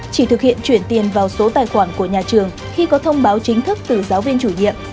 chỉ thực hiện chuyển tiền vào số tài khoản của nhà trường khi có thông báo chính thức từ giáo viên chủ nhiệm